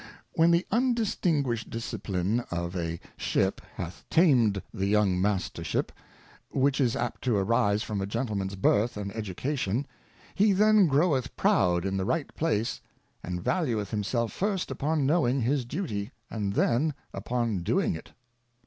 When the undistinguish'd Discipline of a Ship hath tamed the young Mastership, which is apt to arise from a Gentleman's Birth and Education, he then groweth Proud in the right place, and valueth himself first upon knowing his Duty, and then upon doing it.